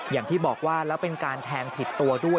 อย่างที่บอกว่าแล้วเป็นการแทงผิดตัวด้วย